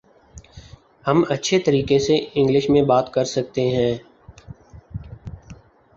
ہم اچھے طریقے سے انگلش میں بات کر سکتے ہیں